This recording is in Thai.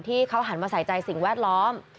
ที่เขาหันมาใส่ใจสิ่งแวดล้อม